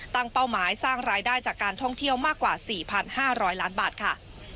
ตั้งเป้าหมายสร้างรายได้จากการท่องเที่ยวมากกว่าสี่พันห้าร้อยล้านบาทค่ะ